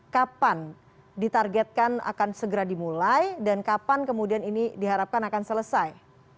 kapan ditargetkan akan segera dimulai dan kapan kemudian ini diharapkan akan selesai